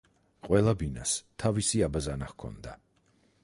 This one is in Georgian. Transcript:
ყველა ბინას თავისი აბაზანა ჰქონდა.